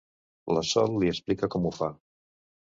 La Sol li explica com ho fa.